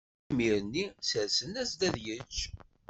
Imir-nni sersen-as-d ad yečč.